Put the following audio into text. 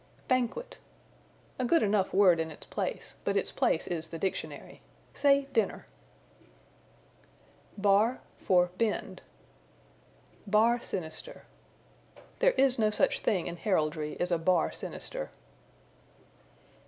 Banquet. A good enough word in its place, but its place is the dictionary. Say, dinner. Bar for Bend. "Bar sinister." There is no such thing in heraldry as a bar sinister.